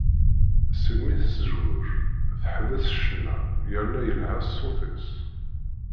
Segmi tezweǧ, teḥbes ccna, yerna yelha ṣṣut-is.